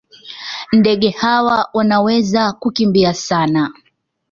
Ndege hawa wanaweza kukimbia sana.